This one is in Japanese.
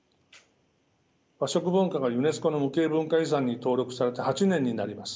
和食文化がユネスコの無形文化遺産に登録されて８年になります。